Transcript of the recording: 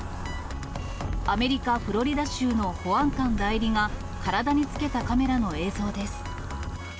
アメリカ・フロリダ州の保安官代理が体につけたカメラの映像です。